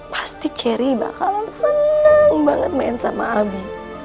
pasti jerry bakal seneng banget main sama abi